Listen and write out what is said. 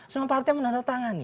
semua partai menandatangani